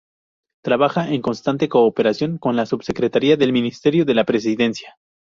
Trabaja en constante cooperación con la subsecretaría del Ministerio de la Presidencia.